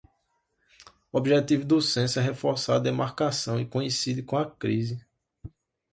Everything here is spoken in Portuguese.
O objetivo do censo é reforçar a demarcação e coincide com a crise